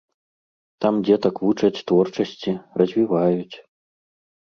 Там дзетак вучаць творчасці, развіваюць.